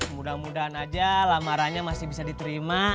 mudah mudahan aja lamarannya masih bisa diterima